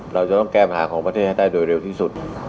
เราจะต้องแก้ปัญหาของประเทศให้ได้โดยเร็วที่สุด